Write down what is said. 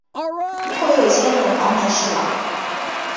后又迁任黄门侍郎。